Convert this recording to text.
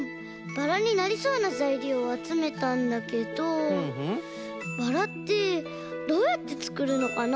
バラになりそうなざいりょうをあつめたんだけどバラってどうやってつくるのかな？